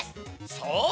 そう！